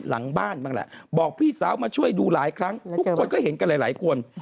หลังบ้านบ้างแหละบอกพี่สาวมาช่วยดูหลายครั้งทุกคนก็เห็นกันหลายคน